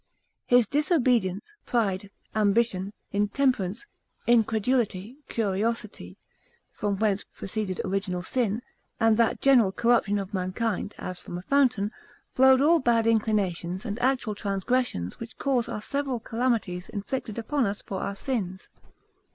His disobedience, pride, ambition, intemperance, incredulity, curiosity; from whence proceeded original sin, and that general corruption of mankind, as from a fountain, flowed all bad inclinations and actual transgressions which cause our several calamities inflicted upon us for our sins.